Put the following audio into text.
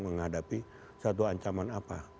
terhadapi satu ancaman apa